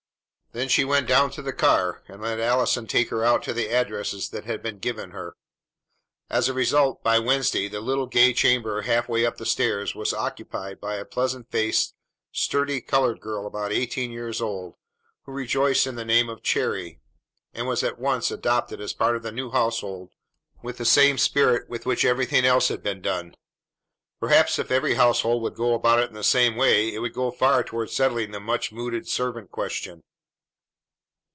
Then she went down to the car, and let Allison take her out to the addresses that had been given her. As a result, by Wednesday the little gay chamber half way up the stairs was occupied by a pleasant faced, sturdy colored girl about eighteen years old, who rejoiced in the name of Cherry, and was at once adopted as part of the new household with the same spirit with which everything else had been done. Perhaps if every household would go about it in the same way it would go far toward settling the much mooted servant question.